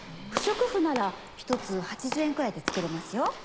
不織布なら１つ８０円くらいで作れますよ。